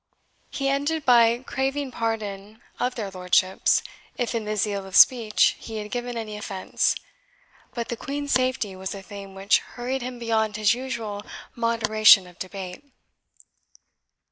He ended by craving pardon of their lordships, if in the zeal of speech he had given any offence, but the Queen's safety was a theme which hurried him beyond his usual moderation of debate.